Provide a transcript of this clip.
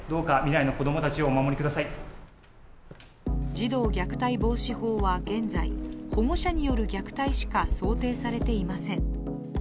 児童虐待防止法は現在、保護者による虐待しか想定されていません。